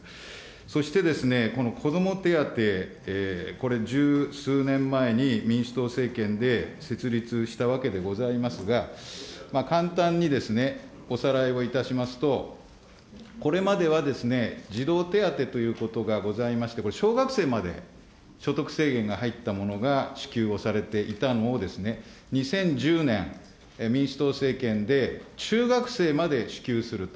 そしてですね、子ども手当、これ、十数年前に民主党政権で設立したわけでございますが、簡単におさらいをいたしますと、これまではですね、児童手当ということがございまして、これ、小学生まで所得制限が入ったものが支給をされていたのを、２０１０年民主党政権で、中学生まで支給すると。